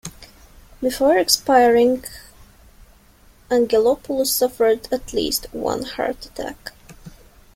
Before expiring, Angelopoulos suffered at least one heart attack.